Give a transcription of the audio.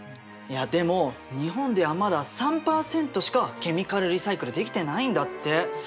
いやでも日本ではまだ３％しかケミカルリサイクルできてないんだって。